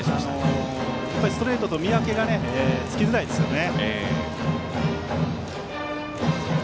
ストレートと見分けがつきづらいですね。